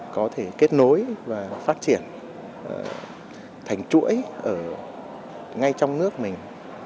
có thể kết nối và phát triển thành chuỗi ở ngay trong nước mình